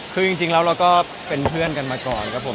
คือจริงแล้วเราก็เป็นเพื่อนกันมาก่อนครับผม